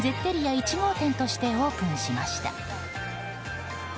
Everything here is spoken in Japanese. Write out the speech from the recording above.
１号店としてオープンしました。